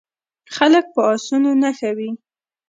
خلک په اسونو نښه وي.